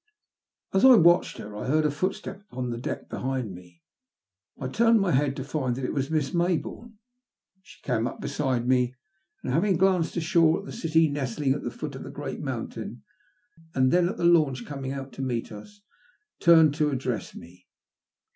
As I watched her, I heard a footstep upon the deck behind me. I turned my head to find that it was Miss Mayboume. She came up beside me, and having glanced ashore at the city nestling at the foot of the great mountain, and then at the launch coming out to meet us, turned to address me.